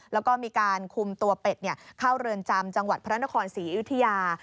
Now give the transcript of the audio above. แล้วก็มีการคุมตัวเป็ดเข้าเรือนจำจังหวัดพระนครศรีอยุธยา